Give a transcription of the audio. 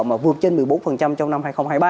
mà vượt trên một mươi bốn trong năm hai nghìn hai mươi ba